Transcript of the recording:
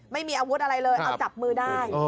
ไม่มีอาวุธอะไรเลยเอาจับมือได้